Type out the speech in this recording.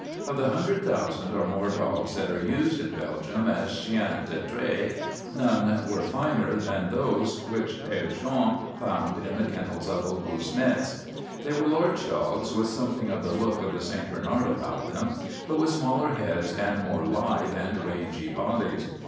Of the hundred thousand or more dogs that are used in Belgium as chiens de trait, none were finer than those which Père Jean found in the kennels of Auguste Naets. They were large dogs, with something of the look of the St. Bernard about them, but with smaller heads and more lithe and rangy bodies.